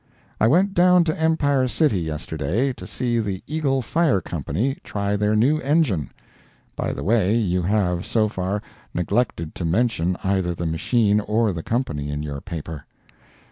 I went down to Empire City yesterday to see the Eagle Fire Company try their new engine (by the way, you have, so far, neglected to mention either the machine or the company in your paper).